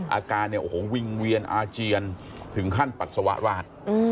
อาการวิงเวียนอาเจียนถึงขั้นปัสสวรรค์วาด